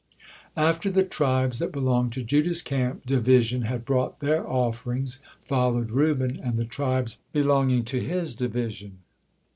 After the tribes that belonged to Judah's camp division had brought their offerings, followed Reuben and the tribes belonging to his division.